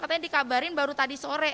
katanya dikabarin baru tadi sore